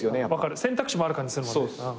選択肢もある感じするもんね。